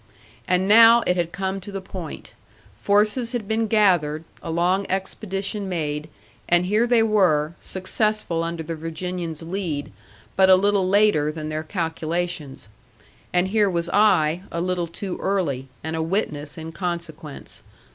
And now it had come to the point; forces had been gathered, a long expedition made, and here they were, successful under the Virginian's lead, but a little later than their calculations. And here was I, a little too early, and a witness in consequence.